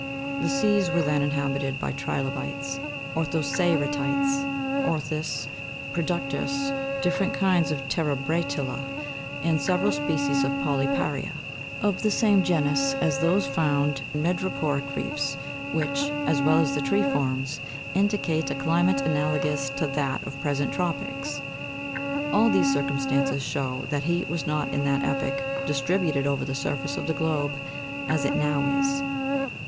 The seas were then inhabited by trilobites, orthoce'ratites, orthis, productus, different kinds of terebra'tula and several species of polypa'ria, of the same genus as those found in madreporic reefs, which, as well as the tree ferns, indicate a climate analogous to that of the present tropics. All these circumstances show that heat was not, in that epoch, distributed over the surface of the globe as it now is.